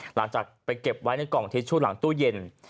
หลังจากไปเก็บไว้ในกล่องทิชชู่หลังตู้เย็น